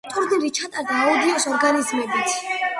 ტურნირი ჩატარდა აუდის ორგანიზებით.